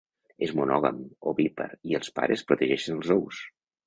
És monògam, ovípar i els pares protegeixen els ous.